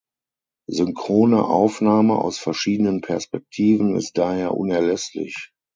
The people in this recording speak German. Synchrone Aufnahme aus verschiedenen Perspektiven ist daher unerlässlich.